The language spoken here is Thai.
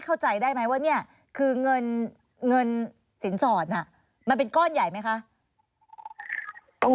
ถ้าถามอ้วนฟังพี่อ้วนเล่าให้ฟัง